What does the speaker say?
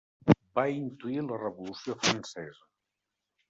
Va intuir la Revolució francesa.